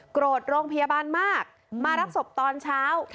โรงพยาบาลมากมารับศพตอนเช้า